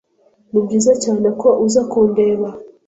Nibyiza cyane ko uza kundeba.